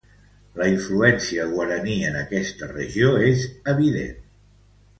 La influència guaraní en esta regió és evident.